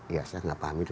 ya saya gak paham itu